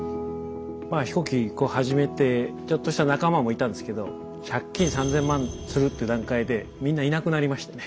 まあ飛行機こう始めてちょっとした仲間もいたんですけど借金３０００万するっていう段階でみんないなくなりましたね。